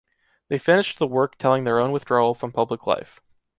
They finished the work telling their own withdrawal from public life.